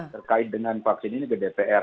terkait dengan vaksin ini ke dpr